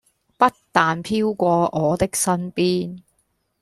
不但飄過我的身邊